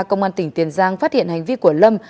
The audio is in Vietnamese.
công an tỉnh tiền giang phát hiện hành vi của lâm